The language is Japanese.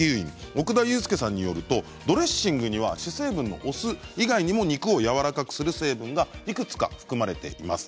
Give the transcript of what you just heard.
奥田悠介さんによるとドレッシングには主成分のお酢以外にも肉をやわらかくする成分がいくつか含まれています。